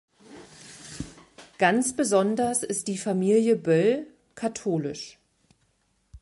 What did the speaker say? Ganz besonders ist die Familie Böll katholisch.